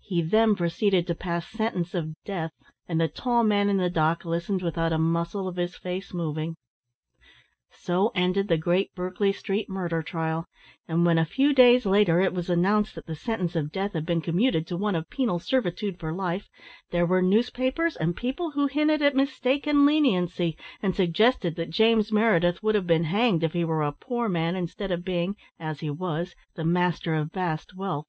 He then proceeded to pass sentence of death, and the tall man in the dock listened without a muscle of his face moving. So ended the great Berkeley Street Murder Trial, and when a few days later it was announced that the sentence of death had been commuted to one of penal servitude for life, there were newspapers and people who hinted at mistaken leniency and suggested that James Meredith would have been hanged if he were a poor man instead of being, as he was, the master of vast wealth.